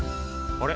あれ？